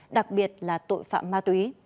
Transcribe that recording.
đặc biệt là tội phạm ma túy